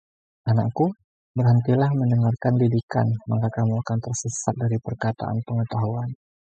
Anakku, berhentilah mendengarkan didikan, maka kamu akan tersesat dari perkataan pengetahuan.